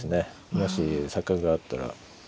もし錯覚があったら。